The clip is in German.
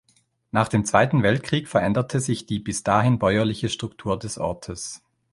Nach dem Zweiten Weltkrieg veränderte sich die bis dahin bäuerliche Struktur des Ortes.